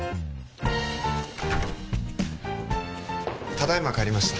ただいま帰りました